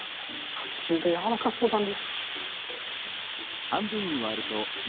８０℃やわらかそうだね。